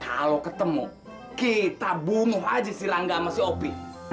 kalo ketemu kita bunuh aja si rangga sama si opi